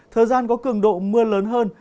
thời gian có cường độ mưa lớn hơn